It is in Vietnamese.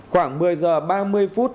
khoảng một mươi giờ ba mươi phút